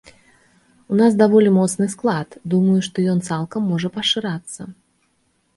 У нас даволі моцны склад, думаю, што ён цалкам можа пашырацца.